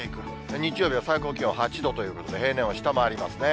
日曜日は最高気温８度ということで、平年を下回りますね。